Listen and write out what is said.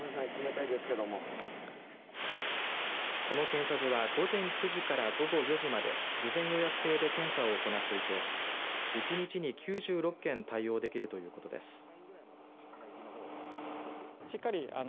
この検査所は午前９時から午後４時まで事前予約制で検査を行っていて１日に９６件対応できるということです。